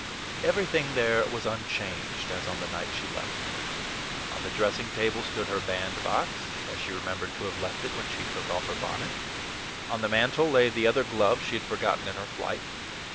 Everything there was unchanged as on the night she left it. On the dressing table stood her bandbox, as she remembered to have left it when she took out her bonnet. On the mantle lay the other glove she had forgotten in her flight.